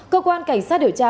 cơ quan cảnh sát điều tra